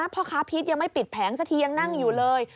พ่อค้าพีชยังไม่ปิดแผงสักทียังนั่งอยู่เลย